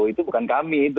itu bukan kami itu